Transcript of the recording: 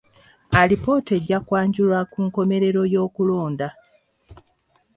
Alipoota ejja kwanjulwa ku nkomerero y'okulonda.